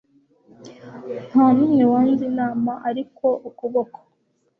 Nta numwe wanze inama Ariko ukuboko